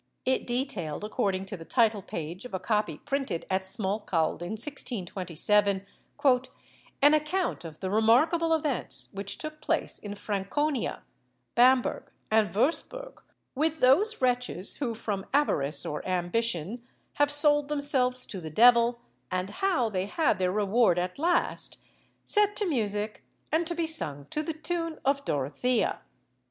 It detailed, according to the title page of a copy printed at Smalcald in 1627, "An account of the remarkable events which took place in Franconia, Bamberg, and Würzburg, with those wretches who from avarice or ambition have sold themselves to the devil, and how they had their reward at last: set to music, and to be sung to the tune of Dorothea."